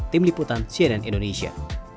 tim liputan siedan indonesia